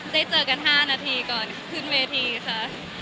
เจอกัน๕นาทีก่อนขึ้นเวทีค่ะ